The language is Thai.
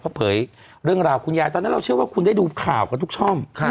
เขาเผยเรื่องราวคุณยายตอนนั้นเราเชื่อว่าคุณได้ดูข่าวกันทุกช่อง